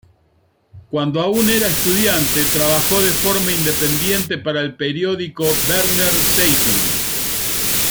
Cuando aún era estudiante trabajó de forma independiente para el periódico "Berner Zeitung".